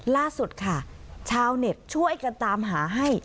ล่าสุดค่ะชาวเน็ตช่วยกันตามหาให้